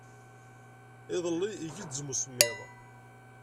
Iḍelli igezzem usemmiḍ.